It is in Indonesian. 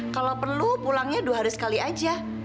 kalau perlu pulangnya dua hari sekali aja